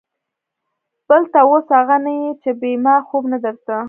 بل ته اوس اغه نه يې چې بې ما خوب نه درته.